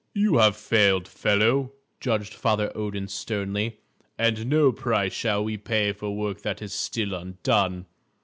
"You have failed, fellow," judged Father Odin sternly, "and no price shall we pay for work that is still undone.